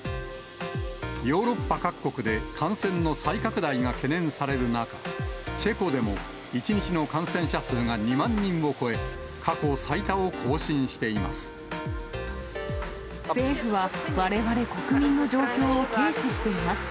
ヨーロッパ各国で感染の再拡大が懸念される中、チェコでも１日の感染者数が２万人を超え、過去最多を更新してい政府はわれわれ国民の状況を軽視しています。